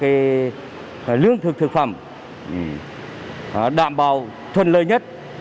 và mưa sắm các lương thực thực phẩm đảm bảo thuận lợi nhất